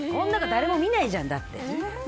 誰も見ないじゃん、だって。